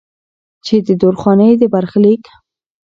چې د درخانۍ د برخليک